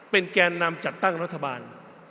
แกนนำจัดตั้งรัฐบาล